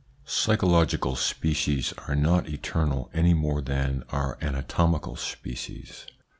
T)SYCHOLOGICAL species are not eternal any A more than are anatomical species.